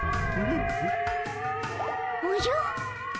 おじゃ？